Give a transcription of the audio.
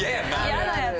嫌なやつ。